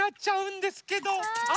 あ！